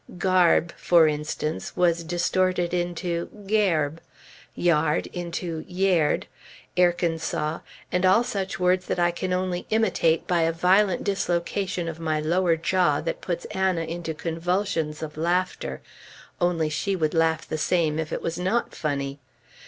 "Garb," for instance, was distorted into "gairb," "yard" into "yaird," "Airkansas," and all such words that I can only imitate by a violent dislocation of my lower jaw that puts Anna into convulsions of laughter only she would laugh the same if it was not funny.